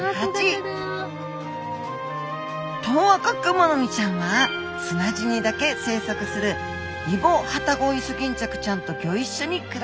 トウアカクマノミちゃんは砂地にだけ生息するイボハタゴイソギンチャクちゃんとギョ一緒に暮らしています。